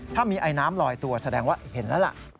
ถ้ามีไอน้ำลอยตัวแสดงว่าเห็นแล้วล่ะ